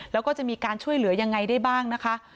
แล้วก็จะมีการช่วยเหลือยังไงได้บ้างนะคะ